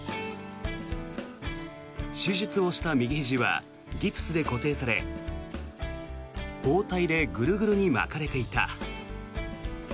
手術をした右ひじはギプスで固定され包帯でグルグルに巻かれていた。